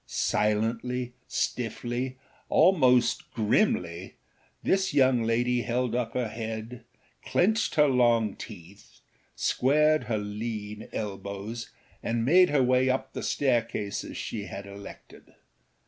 Silently, stiffly, almost grimly, this young lady held up her head, clenched her long teeth, squared her lean elbows and made her way up the staircases she had elected.